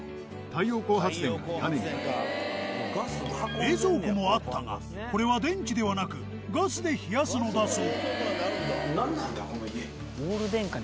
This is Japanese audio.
冷蔵庫もあったがこれは電気ではなくガスで冷やすのだそう。